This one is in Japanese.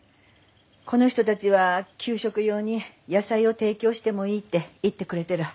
この人たちは給食用に野菜を提供してもいいって言ってくれてる。